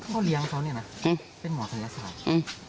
พ่อเลี้ยงเขาเนี่ยนะเป็นหมอศัยศาสตร์